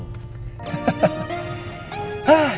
hah jalan cok